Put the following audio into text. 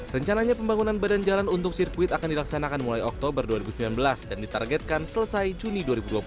rencananya pembangunan badan jalan untuk sirkuit akan dilaksanakan mulai oktober dua ribu sembilan belas dan ditargetkan selesai juni dua ribu dua puluh